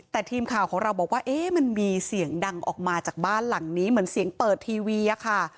แต่ทีมข่าวของเราบอกว่าเอ๊ะมันมีเสียงดังออกมาจากบ้านหลังนี้เหมือนเสียงเปิดทีวีอะค่ะ